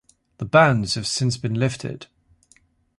The bans have since been lifted.